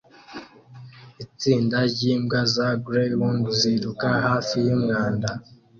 Itsinda ryimbwa za gryhound ziruka hafi yumwanda